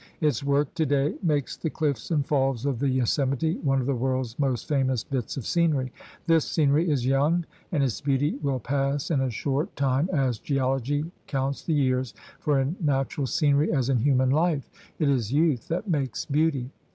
Its work to day makes the cliffs and falls of the Yosemite one of the world's most famous bits of scenery. This scenery is young and its beauty will pass in a short time as geology counts the years, for in natural scenery as in human life it is youth that makes beauty.